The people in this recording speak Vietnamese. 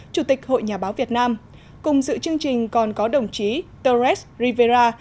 chủ tịch hội nhà báo việt nam cùng sự chương trình còn có đồng chí torres rivera